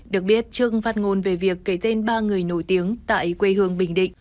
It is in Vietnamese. được biết trương phát ngôn về việc kể tên ba người nổi tiếng tại quê hương bình định